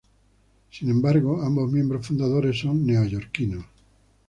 Sin embargo, ambos miembros fundadores son neoyorquinos.